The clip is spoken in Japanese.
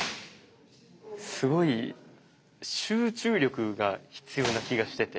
すごい集中力が必要な気がしてて。